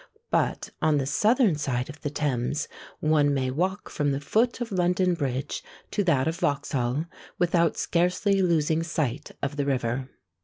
But on the southern side of the Thames, one may walk from the foot of London Bridge to that of Vauxhall, without scarcely losing sight of the river.